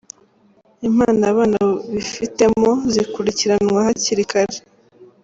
Impano abana bifitemo zikurikiranwa hakiri kare